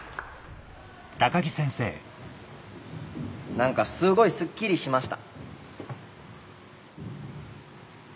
何かすごいスッキリしました。